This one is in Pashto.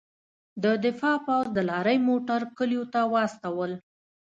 د دفاع پوځ د لارۍ موټر کلیو ته واستول.